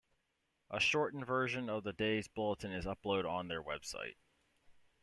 A shortened version of the day's bulletin is upload on their website.